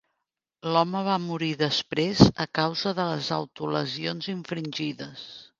L'home va morir després a causa de les autolesions infringides.